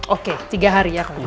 oke tiga hari ya kalau gitu